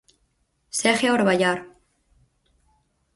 segue a orballar.